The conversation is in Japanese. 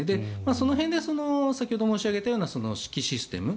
その辺で先ほど申し上げたような指揮システム